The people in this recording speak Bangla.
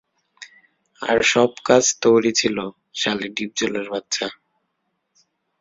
আর সব কাজ তোর-ই ছিল, শালী ডিপজলের বাচ্চা!